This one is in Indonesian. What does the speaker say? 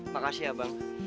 makasih ya bang